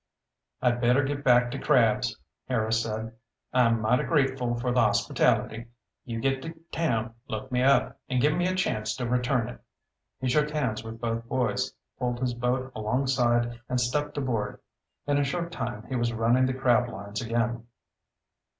"I'd better get back to crabs," Harris said. "I'm mighty grateful for the hospitality. You get to town, look me up, and give me a chance to return it." He shook hands with both boys, pulled his boat alongside, and stepped aboard. In a short time, he was running the crab lines again.